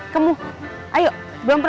kenapa lompat lompat